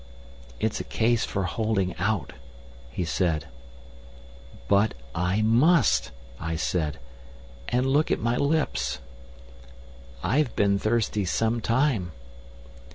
"It's a case for holding out," he said. "But I must," I said, "and look at my lips!" "I've been thirsty some time."